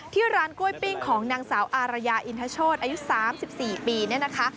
ที่ร้านกล้วยปิ้งของนางสาวอารยาอินทโชธอายุ๓๔ปีเนี่ยนะคะ